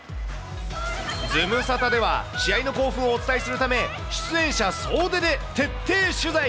ズムサタでは、試合の興奮をお伝えするため、出演者総出で徹底取材。